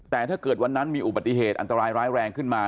แต่ถ้าเกิดวันนั้นมีอุบัติเหตุอันตรายร้ายแรงขึ้นมา